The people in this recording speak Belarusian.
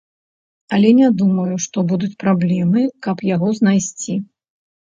Але не думаю, што будуць праблемы, каб яго знайсці.